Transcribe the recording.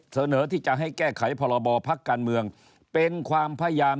เสนอที่จะให้แก้ไขพรบพักการเมืองเป็นความพยายาม